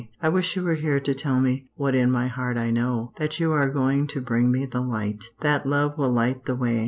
I wish you were here to tell me what in my heart I know that you are going to bring me the light, that love will light the way.